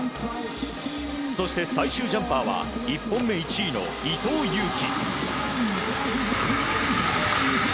そして、最終ジャンパーは１本目１位の伊藤有希。